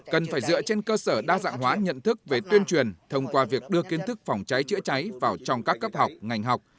cần phải dựa trên cơ sở đa dạng hóa nhận thức về tuyên truyền thông qua việc đưa kiến thức phòng cháy chữa cháy vào trong các cấp học ngành học